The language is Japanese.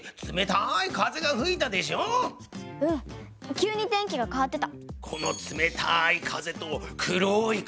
急に天気がかわってた。